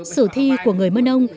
sử thi của người mà nông